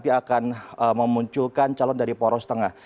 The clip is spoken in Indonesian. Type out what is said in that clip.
jadi ini adalah hal yang sangat penting untuk memunculkan calon dari poros tengah